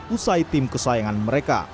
usai tim kesayangan mereka